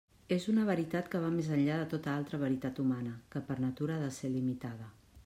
És una veritat que va més enllà de tota altra veritat humana, que per natura ha de ser limitada.